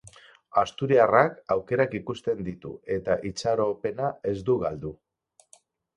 Asturiarrak aukerak ikusten ditu, eta itxaropena ez du galdu.